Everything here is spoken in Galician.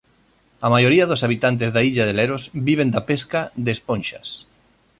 A maioría dos habitantes da illa de Leros viven da pesca de esponxas.